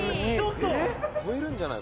超えるんじゃない？